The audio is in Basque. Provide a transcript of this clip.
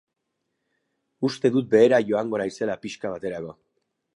Uste dut behera joango naizela pixka baterako.